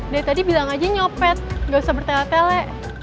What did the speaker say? dari tadi bilang aja nyopet nggak usah bertele tele